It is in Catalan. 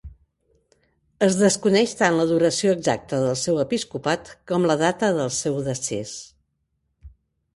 Es desconeix tant la duració exacta del seu episcopat com la data del seu decés.